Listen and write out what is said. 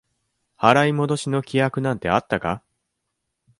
払い戻しの規約なんてあったか？